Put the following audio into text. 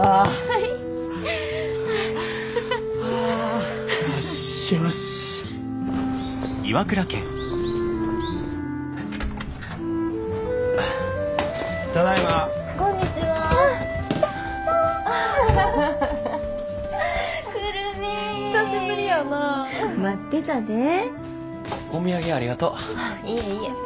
いえいえ。